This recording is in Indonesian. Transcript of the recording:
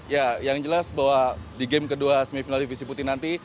ya yang jelas bahwa di game kedua semifinal divisi putih nanti